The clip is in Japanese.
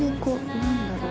何だろう？